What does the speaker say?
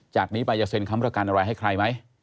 จากนี้ไปจะเซ็นค้ำประกันอะไรให้ใครไหม